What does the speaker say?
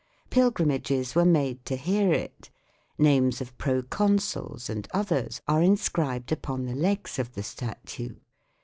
Pilgrimages were made to hear it ; names of proconsuls and others are inscribed upon the legs of the statue.